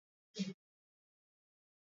Maeneo ya ngambo ya Marekani ni visiwa